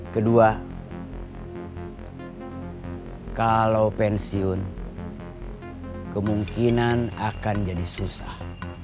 kedua kalau pensiun kemungkinan akan jadi susah